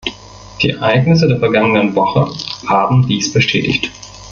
Die Ereignisse der vergangenen Woche haben dies bestätigt.